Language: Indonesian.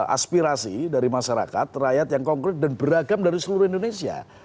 aspirasi dari masyarakat rakyat yang konkret dan beragam dari seluruh indonesia